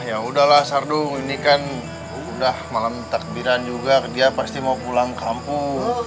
ya udah lah sarto ini kan sudah malam takbiran juga dia pasti mau pulang kampung